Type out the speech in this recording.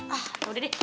ah udah deh